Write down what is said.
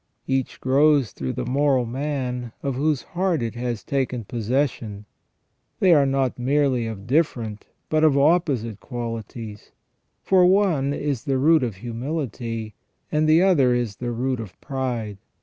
Each grows through the moral man, of whose heart it has taken possession. They are not merely of different but of opposite qualities, for one is the root of humility and the other is the root of pride.